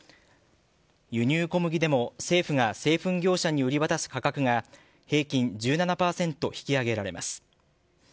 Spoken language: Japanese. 輸入小麦でも政府が製粉業者に売り渡す価格が平均１７％、引き上げられます。